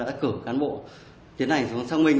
đã cử cán bộ tiến hành xuống xác minh